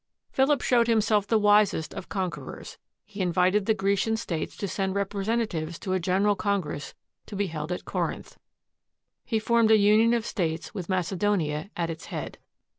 Philip showed himself the wisest of conquerors. He invited the Grecian states to send representatives to a general con gress to be held at Corinth. He formed a union of states with Macedonia at its head.